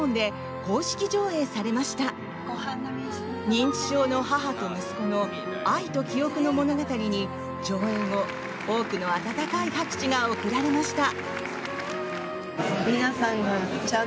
認知症の母と息子の愛と記憶の物語に上演後、多くの温かい拍手が送られました。